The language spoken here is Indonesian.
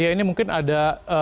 ini mungkin ada